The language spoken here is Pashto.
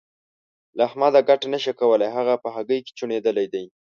له احمده ګټه نه شې کولای؛ هغه په هګۍ کې چوڼېدلی دی.